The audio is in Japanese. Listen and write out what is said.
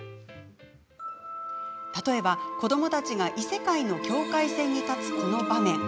例えば、子どもたちが異世界の境界線に立つこの場面。